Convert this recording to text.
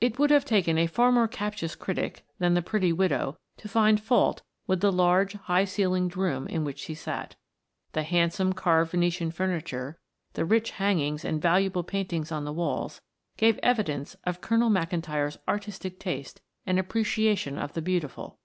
It would have taken a far more captious critic than the pretty widow to find fault with the large, high ceilinged room in which she sat. The handsome carved Venetian furniture, the rich hangings and valuable paintings on the walls gave evidence of Colonel McIntyre's artistic taste and appreciation of the beautiful.